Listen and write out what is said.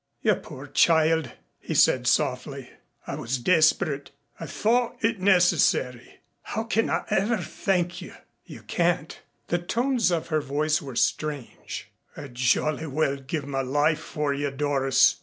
"You poor child," he said softly. "I was desperate. I thought it necessary. How can I ever thank you?" "You can't." The tones of her voice were strange. "I'd jolly well give my life for you, Doris.